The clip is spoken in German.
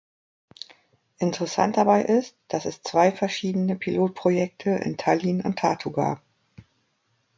Interessant dabei ist, dass es zwei verschiedene Pilotprojekte in Tallinn und Tartu gab.